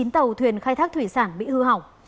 bảy mươi chín tàu thuyền khai thác thủy sản bị hư hỏng